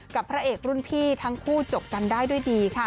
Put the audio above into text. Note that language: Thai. พระเอกรุ่นพี่ทั้งคู่จบกันได้ด้วยดีค่ะ